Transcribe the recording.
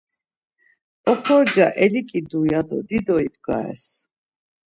Oxorca eliǩidu ya do dido ibgares.